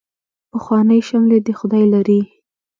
پخوانۍ شملې دې خدای لري.